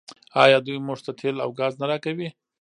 آیا دوی موږ ته تیل او ګاز نه راکوي؟